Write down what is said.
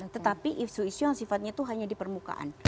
tetapi isu isu yang sifatnya itu hanya di permukaan